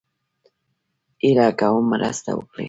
هيله کوم مرسته وکړئ